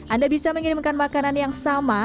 anda bisa mengirimkan makanan yang sama